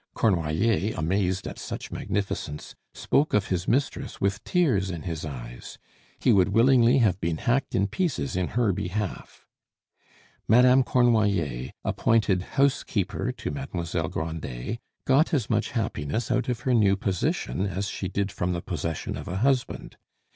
Cornoiller, amazed at such magnificence, spoke of his mistress with tears in his eyes; he would willingly have been hacked in pieces in her behalf. Madame Cornoiller, appointed housekeeper to Mademoiselle Grandet, got as much happiness out of her new position as she did from the possession of a husband.